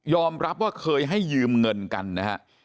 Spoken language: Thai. รับว่าเคยให้ยืมเงินกันนะฮะ